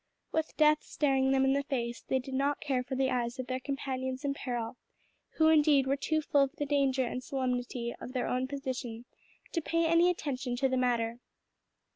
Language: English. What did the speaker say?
With death staring them in the face they did not care for the eyes of their companions in peril: who, indeed, were too full of the danger and solemnity of their own position to pay any attention to the matter.